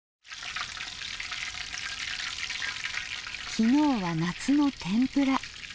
昨日は夏の天ぷら。